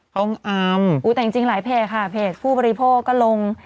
ของอามอู้แต่จริงจริงหลายเพจค่ะเพจผู้บริโภคก็ลง